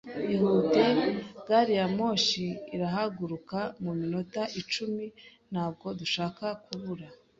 Ihute. Gari ya moshi irahaguruka mu minota icumi. Ntabwo dushaka kubura.